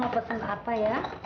mau pesen apa ya